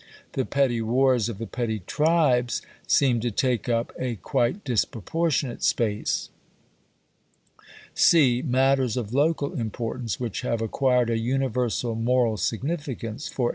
The petty wars of the petty tribes seem to take up a quite disproportionate space); (c) matters of local importance, which have acquired a universal moral significance (_e.